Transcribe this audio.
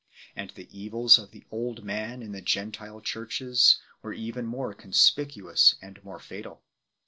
And the evils of the " old man " in the Gentile churches were even more conspicuous and more fatal.